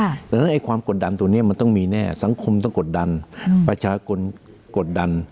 เพราะฉะนั้นความกดดันตัวนี้มันต้องมีแน่สังคมต้องกดดันประชาชนกดดัน